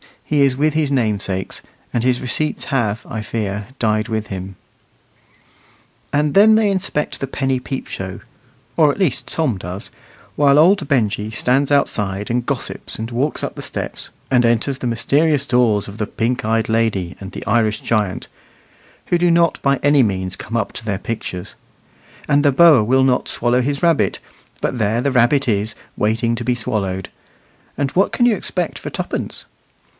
he is with his namesakes, and his receipts have, I fear, died with him. And then they inspect the penny peep show at least Tom does while old Benjy stands outside and gossips and walks up the steps, and enters the mysterious doors of the pink eyed lady and the Irish giant, who do not by any means come up to their pictures; and the boa will not swallow his rabbit, but there the rabbit is waiting to be swallowed; and what can you expect for tuppence?